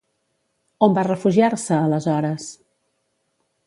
On va refugiar-se, aleshores?